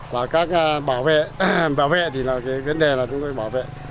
và các bảo vệ thì là cái vấn đề là chúng tôi bảo vệ